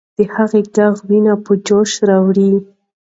د هغې ږغ ويني په جوش راوړي.